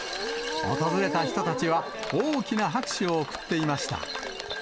訪れた人たちは、大きな拍手を送っていました。